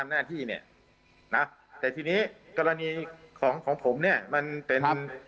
เนี่ยนะเมื่อกรณีของของผมเนี่ยมันเป็น